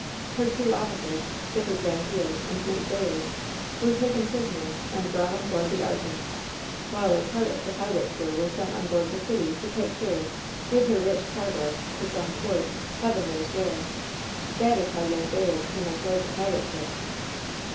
Her two officers. Skipper Grandiere and Mate Bayard, were taken prisoners, and brought on board the Argente j while a part of the pirate crew were sent on board the Kitty, to take her, with her rich cargo, to some port — Heaven knows where! That is how young Bayard came on board the pirate ship."